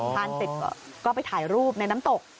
ทานติดก็ไปถ่ายรูปในน้ำตก